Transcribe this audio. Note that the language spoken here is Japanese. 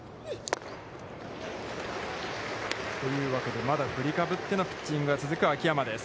というわけで、まだ振りかぶってのピッチングが、続く、秋山です。